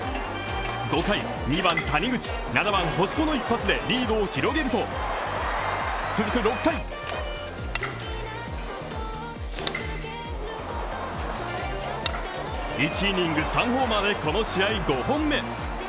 ５回、２番・谷口、７番・星子の一発でリードを広げると、続く６回１イニング３ホーマーでこの試合５本目。